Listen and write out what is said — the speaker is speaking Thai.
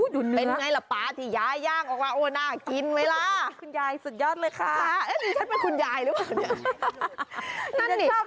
ดูเนื้อคุณยายสุดยอดเลยค่ะดูดิชัดเป็นคุณยายหรือเปล่า